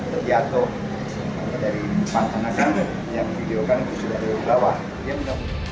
terjatuh dari pancanakan yang videokan itu sudah ada di bawah